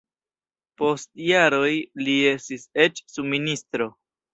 Post jaroj li estis eĉ subministro.